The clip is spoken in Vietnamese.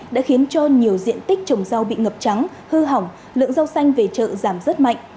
đã khiến cho nhiều diện tích trồng rau bị ngập trắng hư hỏng lượng rau xanh về chợ giảm rất mạnh